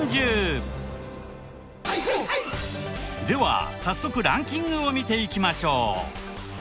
では早速ランキングを見ていきましょう。